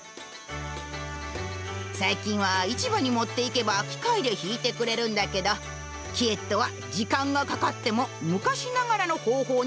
最近は市場に持っていけば機械で挽いてくれるんだけどキエットは時間がかかっても昔ながらの方法にこだわっている。